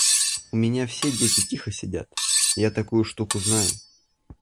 У меня все дети тихо сидят, я такую штуку знаю.